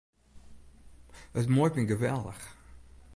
It muoit my geweldich.